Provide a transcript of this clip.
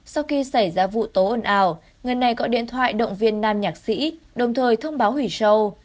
sau khi xảy ra vụ tố ồn ào người này gọi điện thoại động viên nam nhạc sĩ đồng thời thông báo hủy show